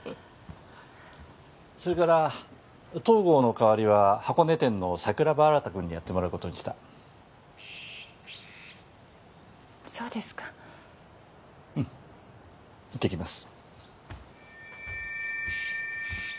それから東郷の代わりは箱根店の桜庭新君にやってもらうことにしたそうですかうんいってきます